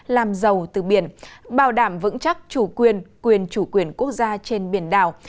làm giàu từ biển bảo đảm vững chắc chủ quyền quyền chủ quyền quốc gia trên biển đảo